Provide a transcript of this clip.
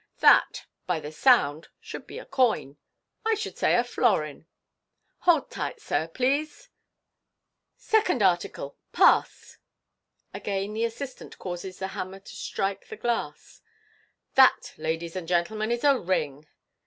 " That, by the sound, should be a coin, I should say a florin. Hold tight, sir, please. Second article, pass !" Again the assistant causes the hammer to strike the glass. "That, ladies and gentlemen, is a ring.